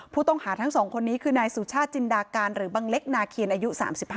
ผู้ต้องหาทั้ง๒คนนี้คือนายสุชาติจินดาการหรือบังเล็กนาเคียนอายุ๓๕